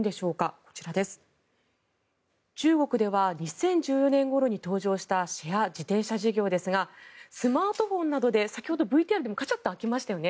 こちら、中国では２０１４年ごろに登場したシェア自転車事業ですがスマートフォンなどで先ほどＶＴＲでもカチャッと開きましたよね。